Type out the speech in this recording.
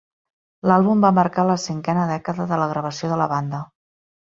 L'àlbum va marcar la cinquena dècada de la gravació de la banda.